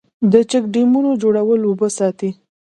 د چک ډیمونو جوړول اوبه ساتي